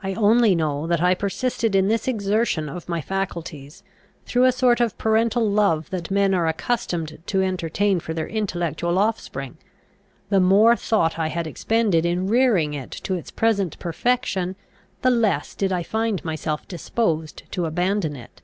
I only know that I persisted in this exertion of my faculties, through a sort of parental love that men are accustomed to entertain for their intellectual offspring; the more thought I had expended in rearing it to its present perfection, the less did I find myself disposed to abandon it.